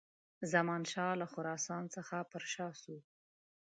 زمانشاه له خراسان څخه پر شا سو.